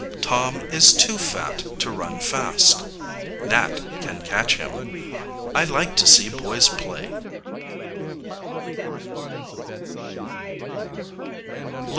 Tom is too fat to run fast. Nat can catch him. I like to see boys play.